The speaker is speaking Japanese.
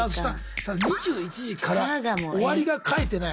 ２１時から終わりが書いてない